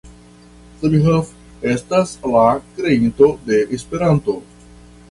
Zamenhof estas la kreinto de Esperanto.